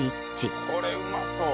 これうまそう！